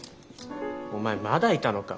お前まだいたのか？